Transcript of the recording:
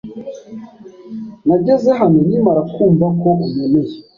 Nageze hano nkimara kumva ko unkeneye.